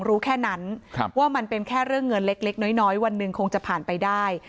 รู้แค่นั้นว่ามันเป็นแค่เรื่องเงินเล็กน้อยวันหนึ่งคงจะผ่านไปได้